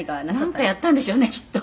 「なんかやったんでしょうねきっと。